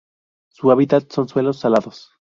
Su hábitat son suelos salados.